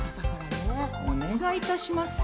お願いいたしますよ。